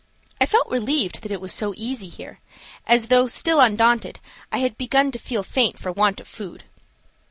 I felt relieved that it was so easy here, as, though still undaunted, I had begun to feel faint for want of food.